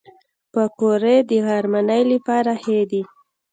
پکورې د غرمنۍ لپاره ښه دي